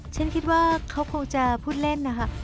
ฉันคิดว่าเขาคงจะพูดเล่นนะคะ